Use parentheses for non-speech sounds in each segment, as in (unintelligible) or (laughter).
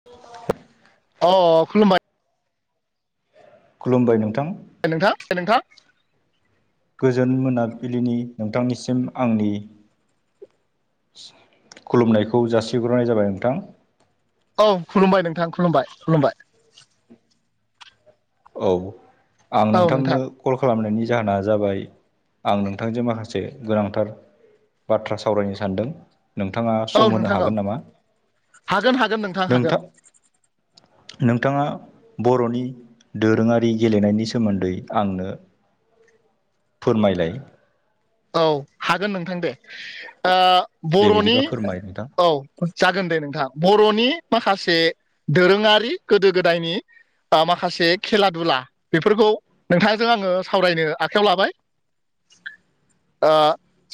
(inaudible) अ खुलुमबाय खुलुमबाय नोंथां नोंथा हे नोंथां। (inaudible) गोजोन मोनाबिलिनि नोंथांनिसिम आंनि खुलुमनायखौ जासिहरग्रोनाय जाबाय नोंथां। औ खुलुमबाय नोंथां खुलुमबाय खुलुमबाय। औ आं औ नोंथांनो नोंथां कल खालामनायनि जाहोना जाबाय आं नोंथांजों माखासे गोनांथार बाथ्रा सावरायनो सानदों नोंथांङा औ सम होनो नोंथां औ हागोन नामा हागोन हागोन हागोन नोंथां नोंथाङा बर'नि दोरोङारि गेलेनायनि सोमोन्दै आंनो फोरमायलाय औ हागोन नोंथां दे दे बर'नि बिदिबा फोरमाय नोंथां औ जागोन दे नोंथां बर'नि माखासे दोरोङारि गोदो गोदायनि माखासे खेला दुला बेफोरखौ नोंथाङाजों आङो सावरायनो आखायाव लाबाय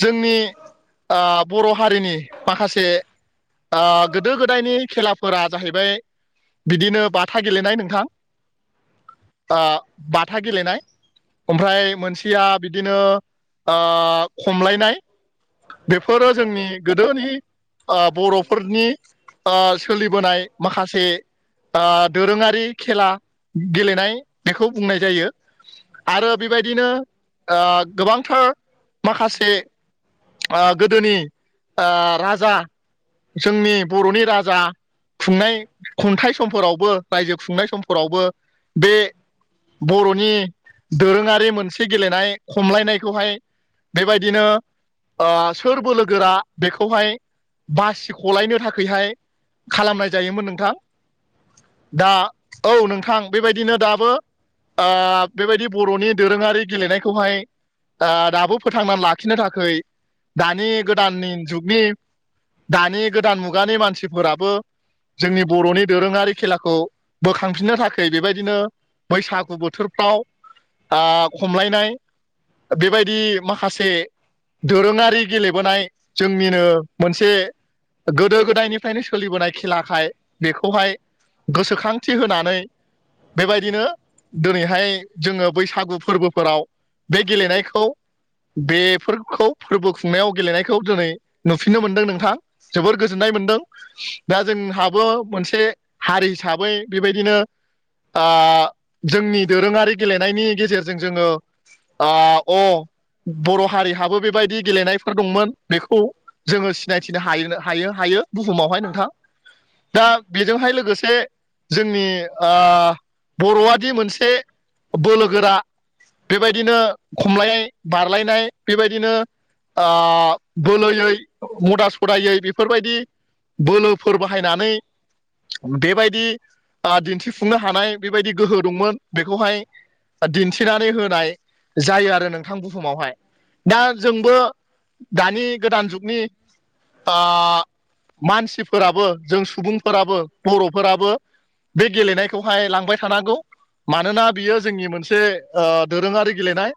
जोंनि बर' हारिनि माखासे गोदो गोदायनि खेलाफोरा जाहैबाय बिदिनो बाथा गेलेनाय नोंथां बाथा गेलेनाय ओमफ्राय मोनसेया बिदिनो खमलायनाय बेफोरो जोंनि गोदोनि बर'फोरनि सोलिबोनाय माखासे दोरोङारि खेला गेलेनाय बेखौ बुंनाय जायो आरो बेबायदिनो गोबांथार माखासे गोदोनि राजा जोंनि बर'नि राजा खुंनाय खन्थाइ समफोरावबो रायजो खुंनाय समफोरावबो बे बर'नि दोरोङारि मोनसे गेलेनाय खमलायनायखौहाय बेबायदिनो ओ सोर बोलोगोरा बेखौहाय बासिखलायनो थाखायहाय खालामनाय जायोमोन नोंथां। दा औ नोंथां बेबायदिनो दाबो ओ बेबायदि बर'नि दोरोङारि गेलेनायखौहाय ओ दाबो फोथांनानै लाखिनो थाखाय दानि गोदाननि जुगनि दानि गोदान मुगानि मानसिफोराबो जोंनि बर'नि दोरोङारि खेलाखौ बोखांफिननो थाखाय बेबायदिनो बैसागु बोथोरफ्रा ओ खमलायनाय बेबायदि माखासे दोरोङारि गेलेबोनाय जोंनिनो मोनसे गोदो गोदायनिफ्रायनो सोलिबोनाय खेलाखाय बेखौहाय गोसोखांथि होनानै बेबायदिनो दिनैहाय जोङो बैसागु फोरबोफोराव बे गेलेनायखौ बेफोरखौ फोरबो खुंनायाव गेलेनायखौ दिनै नुफिननो मोनदों नोंथां। जोबोर गोजोननाय मोनदों। दा जोंहाबो मोनसे हारि हिसाबै बेबायदिनो ओ जोंनि दोरोङारि गेलेनायनि गेजेरजों जोङो ओ अ बर' हारिहाबो बेबायदि गेलेनायफोर दंमोन बेखौ जोङो सिनायथिनो हायो हायो हायो बुहुमावहाय नोंथां। दा बेजोंहाय लोगोसे जोंनि ओ बर'आदि मोनसे बोलो गोरा बेबायदिनो खमलायनाय बारलायनाय बेबायदिनो ओ बोलोयै मदा सदायै बेफोरबायदि बोलोफोर बाहायनानै बेबायदि ओ दिन्थिफुंनो हानाय बेबायदि गोहो दंमोन बेखौहाय दिन्थिनानै होनाय जायो आरो नोंथां बुहुमावहाय दा जोंबो दानि गोदान जुगनि ओ मानसिफोराबो जों सुबुंफोराबो बर'फोराबो बे गेलेनायखौहाय लांबाय थानांगौ मानोना बियो जोंनि मोनसे ओ दोरोङारि गेलेनाय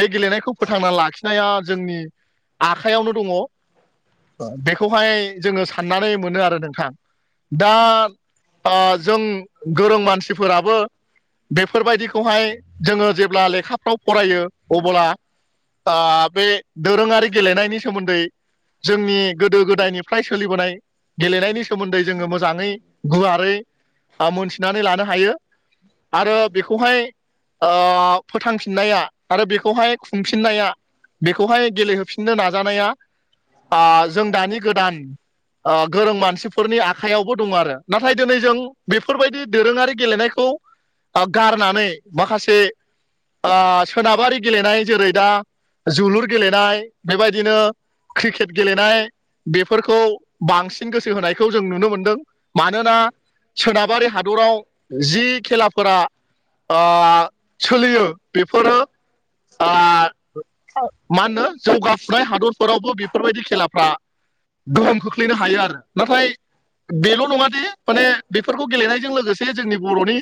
बे गेलेनायखौ फोथांना लाखिनाया जोंनि आखाइयावनो दङ। ओ बेखौहाय जोङो साननानै मोनो आरो नोंथां। दा ओ जों गोरों मानसिफोराबो बेफोरबायदिखौहाय जोङो जेब्ला लेखाफ्राव फरायो अब्ला ओ बे दोरोङारि गेलेनायनि सोमोन्दै जोंनि गोदो गोदायनिफ्राय सोलिबोनाय गेलेनायनि सोमोन्दै जोङो मोजाङै गुवारै ओ मोनथिनानै लानो हायो। आरो बेखौहाय ओ फोथांफि फिननाया आरो बेखौहाय खुंफिननाया बेखौहाय गेलेहोफिननो नाजानाया ओ जों दानि गोदान ओ गोरों मानसिफोरनि आखायावबो दङ आरो नाथाय दिनै जों बेफोरबायदि दोरोङारि गेलेनायखौ ओ गारनानै माखासे ओ सोनाबारि गेलेनाय जेरै दा जोलुर गेलेनाय बेबायदिनो क्रिकेट गेलेनाय बेफोरखौ बांसिन गोसो होनायखौ जों नुनो मोनदों। मानोना सोनाबारि हादराव जि खेलाफोरा ओ सोलियो बेफोरो मा होनो जौगाफुनाय हादरफोरावबो बेफोरबायदि खेलाफ्रा गोहोम खोख्लैनो हायो आरो नाथाय बेल' नङा दि माने बेफोरखौ गेलेनायजों लोगोसे जोंनि बर'नि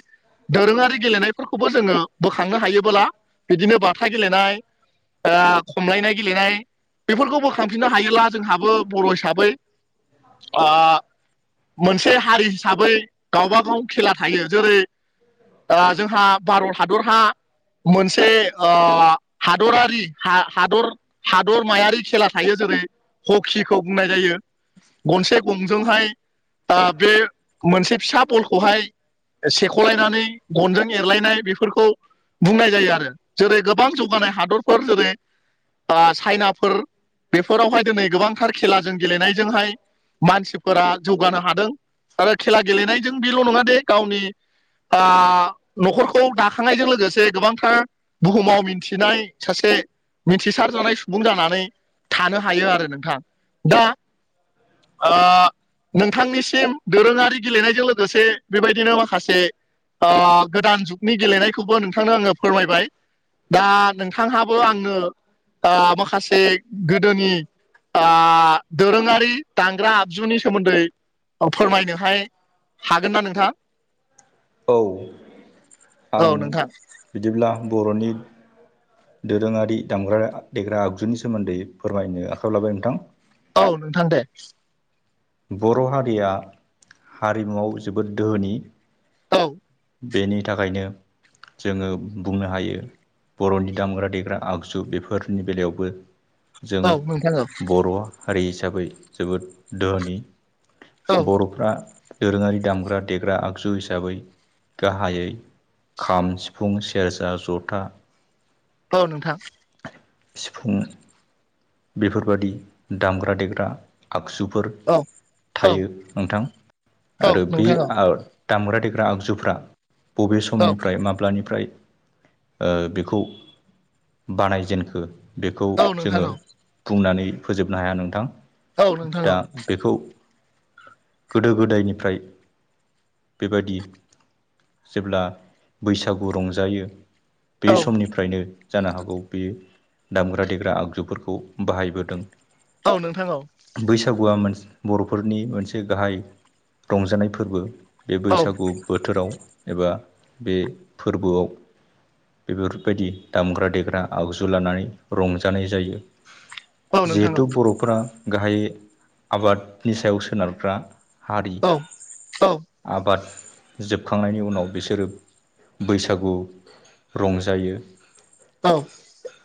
दोरोङारि गेलेनायफोरखौबो जोङो बोखांनो हायो फोरा बिदिनो बाथा गेलेनाय खमलायनाय गेलेनाय बेफोरखौ बोखांफिननो हायोब्ला जोंहाबो बर' हिसाबै ओ मोनसे हारि हिसाबै गावब गाव खेला थायो जेरै ओ जोंहा भारत हादरहा मोनसे ओ हादरारि हा हादर हादरमायारि खेला थायो जेरै हकिखौ बुंनाय जायो गनसे गंजोंहाय ओ बे मोनसे फिसा बलखौहाय सेख'लायनानै गनजों एरलायनाय बेफोरखौ बुंनाय जायो आरो जेरै गोबां जौगानाय हादरफोर जेरै ओ चाइनाफोर बेफोरावहाय दिनै गोबांथार खेलाजों गेलेनायजोंहाय मानसिफोरा जौगानो हादों आरो खेला गेलेनायजों बेल' नङा दे गावनि ओ न'खरखौ दाखांनायजों लोगोसे गोबांथार बुहुमाव मिथिनाय सासे मिथिसारजानाय सुबुं जानानै थानो हायो आरो नोंथां दा ओ नोंथांनिसिम दोरोङारि गेलेनायजों लोगोसे बेबायदिनो माखासे गोदान जुगनि गेलेनायखौबो नोंथांनो आङो फोरमायबाय दा नोंथांहाबो आंनो ओ माखासे गोदोनि आ दोरोङारि दांग्रा आगजुनि सोमोन्दै फोरमायनोहाय हागोन ना नोंथां? औ औ आं नोंथां बिदिब्ला बर'नि दोरोङारि दामग्रा देग्रा आगजुनि सोमोन्दै फोरमायनो आखायावयाव लाबाय नोंथां औ नोंथां दे बर' हारिया हारिमुआव जोबोद दोहोनि औ बेनि थाखायनो जोङो बुंनो हायो बर'नि दामग्रा देग्रा आगजु बेफोरनि बेलायावबो जों औ नोंथां औ बर' हारि हिसाबै जोबोद धोहोनि औ बर'फ्रा दोरोङारि दामग्रा देग्रा आगजु हिसाबै गाहायै खाम सिफुं सेरजा जथा औ नोंथां सिफुं बेफोरबादि दामग्रा देग्रा आगजुफोर औ औ थायो नोंथां औ आरो बे नोंथां औ ओ दामग्रा देग्रा आगजुफ्रा बबे औ समनिफ्राय माब्लानिफ्राय ओ बेखौ बानायजेनखो बेखौ औ नोंथां औ जोङो बुंनानै फोजोबनो हाया नोंथां औ नोंथां दा औ बेखौ गोदो गोदायनिफ्राय बेबायाददि जेब्ला बैसागु रंजायो औ बे समनिफ्रायनो जानो हागौ बेयो दामग्रा देग्रा आगजुफोरखौ खौ बाहायबोदों औ नोंथां औ बैसागुआ बर'फोरनि मोनसे गाहाय रंजानाय फोरबो बे औ बैसागु बोथोराव एबा बे फोरबोआव बेफोरबायदि दामग्रा देग्रा आगजु लानानै रंजानाय जायो औ नोंथां औ जिहेथु बर'फोरा गाहाय आबादनि सायाव सोनारग्रा हारि औ औ आबाद जोबखांनायनि उनाव बिसोरो बैसागु रंजायो। औ।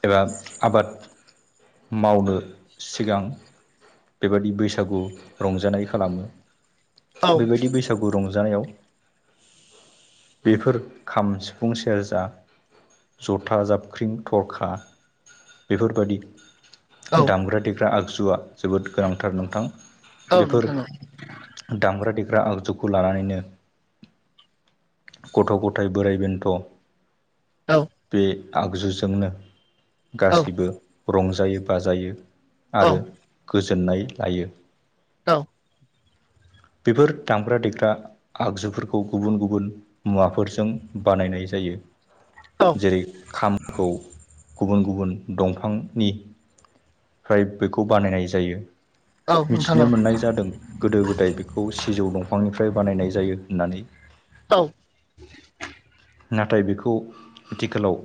एबा आबाद मावनो सिगां बेबायदि बैसागु रंजानाय खालामो। औ औ नोंथां बेबायदि बैसागु बैसागु रंजानायाव बेफोर खाम, सिफुं, सेरजा, जथा, जाबख्रिं, थरखा बेफोरबायादि औ दामग्रा देग्रा आगजुआ जोबोद गोनांथार नोंथां औ बेफोर नोंथां औ नोंथां औ नोंथां औ नोंथां औ नोंथां औ नोंथां औ नोंथां दामग्रा देग्रा आगजुखौ लानानैनो गथ' -गथाय, बोराय- बेन्थ' औ औ नोंथां औ नोंथां औ बे आगजुजोंनो औ गासैबो रंजायो बाजायो आरो गोजोननाय लायो। औ। बेफोर दामग्रा देग्रा आगजुफोरखौ गुबुन गुबुन मुवाफोरजों बानायनाय जायो जेरै खामखौ गुबुन गुबुन दंफांनिफ्राय बेखौ बानायनाय जायो। मिथिनो मोननाय जादों गोदो गोदाय बेखौ सिजौ दंफांनिफ्राय बानायनाय जायो होननानै। नाथाय बेखौ आथिखालाव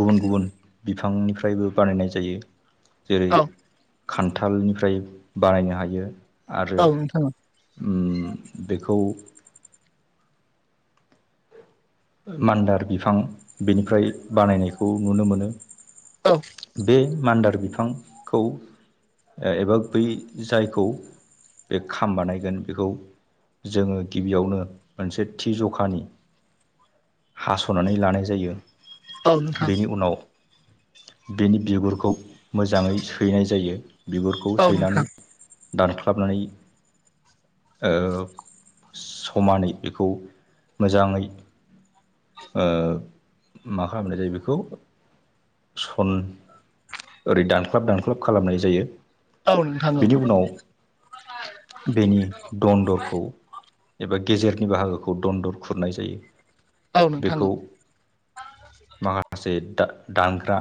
गुबुन गुबुन बिफांनिफ्रायबो बानायनाय जायो जेरै खान्थालनिफ्राय बानायनो हायो आरो ओ बेखौ मान्दार बिफां बेनिफ्राय बानायनायखौ नुनो मोनो। औ। बे मान्दार बिफांखौ एबा बै जायखौ बे खाम बानायगोन बेखौ जोङो गिबियावनो मोनसे थि जखानि हास'नानै लानाय जायो बेनि उनाव बेनि बिगुरखौ मोजाङै सैनाय जायो। बिगुरखौ सैनानै दानख्लाबनानै ओ समानै बेखौ मोजाङै मा खालामनाय जायो बेखौ सन ओरै दानख्लाब दानख्लाब खालामनाय जायो। बेनि नोंथां उनाव बेनि दनन्दरखौ एबा गेजेरनि बाहागोखौ दनन्दर खुरनाय जायो बेखौ माखासे द दानग्रा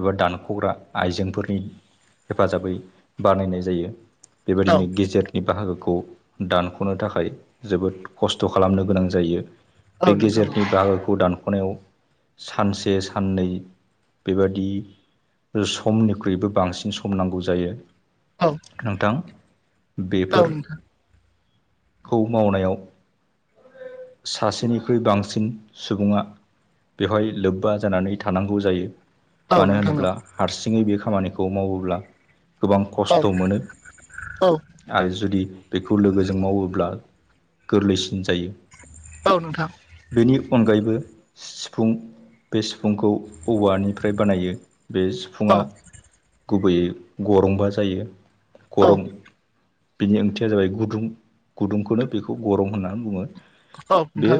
एबा दानख'ग्रा आइजेंफोरनि हेफाजाबै बानायनाय जायो बेबायदिनो औ गेजेर बेनि बाहागोखौ दानख'नो थाखाय जोबोद खस्थ' खालामनो गोनां जायो बे गेजेरनि बाहागोखौ दानख'नायाव सानसे साननै बेबादि समनिख्रुइबो बांसिन सम नांगौ जायो औ नोंथां बेफोर खौ मावनायाव सासेनि बांसिन सुबुङा बेवहाय लोब्बा जानानै थानांगौ जायो मानो नोंथां होनोब्ला हारसिङै बे खामानिखौ मावोब्ला गोबां खस्थ' मोनो। आरो जुदि बेखौ लोगोजों मावोब्ला गोरलैसिन जायो। औ नोंथां। बेनि अनगायैबो सिफुं बे सिफुंखौ औवानिफ्राय बानायो। बे सिफुङा औ गुबैयै गरंबा जायो गरं बिनि ओंथिया जाबाय गुदुं गुदुंखौनो बेखौ गरम होननानै बुङो। बे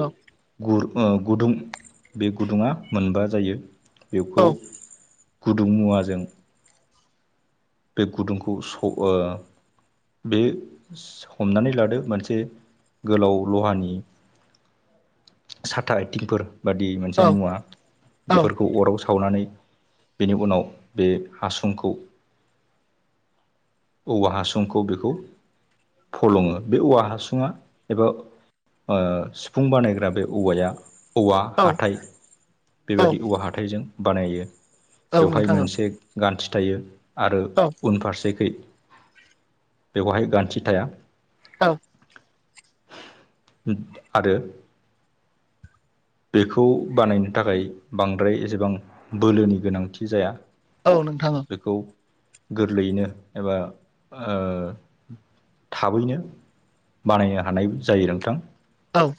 गुर ओ गुदुं बे गुदुङा मोनबा जायो। बेखौ गुदुं मुवाजों बे गुदुंखौ स ओ बे हमनानै लादो मोनसे गोलाव लहानि साथा आइथिंफोर बादि मोनसे मुवा औ औ बेफोरखौ अराव सावनानै बेनि उनाव बे हासुंखौ औवा हासुंखौ बेखौ फलङो बे औवा हासुङा एबा ओ फुं बानायग्रा बे औवाया औवा औ हाथाइ औ बेबायदि औवा हाथाइ जों बानायो। बेवहाय नोंथां मोनसे गान्थि थायो आरो औ उनफारसेखै बेवहाय गान्थि थाया। औ आरो बेखौ बानायनो थाखाय बांद्राय एसेबां बोलोनि गोनांथि जाया। औ नोंथां औ। बेखौ गोरलैयैनो एबा ओ थाबैनो बानायनो हानाय जायो नोंथां। औ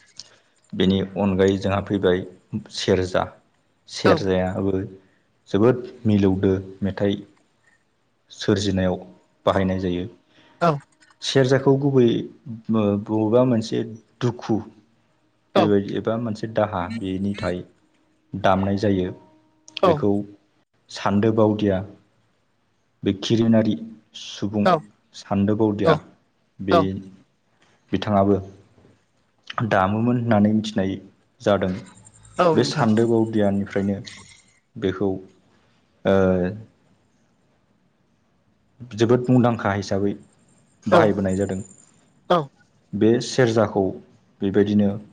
बेनि अनगायै जोंहा फैबाय सेरजा। औ सेरजाया (unintelligible) जोबोद मिलौदो मेथाइ सोरजिनायाव बाहायनाय जायो। औ सेरजाखौ गुबै बबेबा मोनसे दुखु औ बेबायदि एबा मोनसे दाहा बे बिनि थाखाय दामनाय जायो बेखौ सान्दो बावदिया बे खिरिमिनारि सुबुं औ सान्दोबावदिया बे औ बिथाङाबो दामोमोन होननानै मिथिनाय जादों औ बे नोंथां सान्दो बावदियानिफ्रायनो बेखौ ओ जोबोद मुंदांखा हिसाबै औ बाहायबोनाय जादों। औ बे सेरजाखौ बेबायदिनो